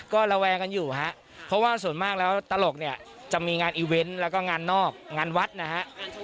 ก็ระแวงกันอยู่ฮะเพราะว่าส่วนมากแล้วตลกเนี่ยจะมีงานอีเวนต์แล้วก็งานนอกงานวัดนะฮะ